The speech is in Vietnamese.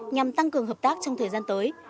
nhằm tăng cường hợp tác trong thời gian tới